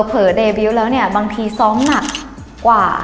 เผลอเดบิวต์แล้วเนี่ยบางทีซ้อมหนักกว่า